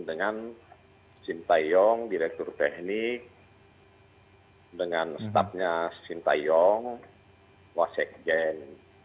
dengan shin taeyong direktur teknik dengan staffnya shin taeyong wasek jen